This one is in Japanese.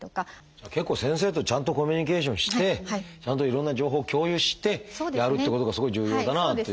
じゃあ結構先生とちゃんとコミュニケーションしてちゃんといろんな情報を共有してやるってことがすごい重要だなという。